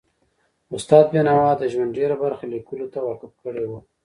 استاد بینوا د ژوند ډېره برخه لیکلو ته وقف کړي وه.